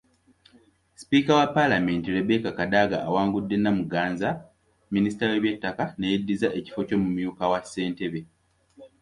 Sipiika wa Palamenti Rebecca Kadaga awangudde Namuganza, minisita w’eby’ettaka neyeddiza ekifo ky’Omumyuka wa ssentebe.